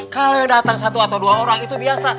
kalo yang dateng satu atau dua orang itu biasa